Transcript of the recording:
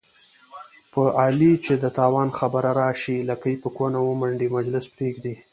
په علي چې د تاوان خبره راشي، لکۍ په کونه ومنډي، مجلس پرېږدي.